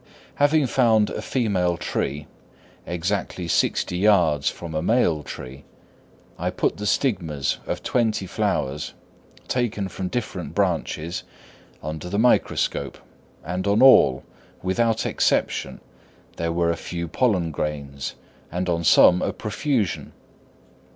Having found a female tree exactly sixty yards from a male tree, I put the stigmas of twenty flowers, taken from different branches, under the microscope, and on all, without exception, there were a few pollen grains, and on some a profusion.